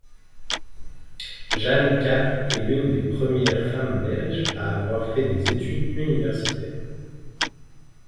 Jeanne Cappe est l'une des premières femmes belges à avoir fait des études universitaires.